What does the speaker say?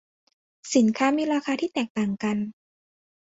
สินค้ามีราคาที่แตกต่างกัน